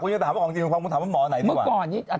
คุณถามว่าหมอไหนดีกว่า